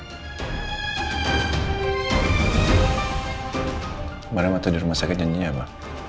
barangkali waktu di rumah sakit janjinya apa